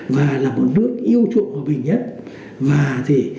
và là một nước yêu chuộng hòa bình nhất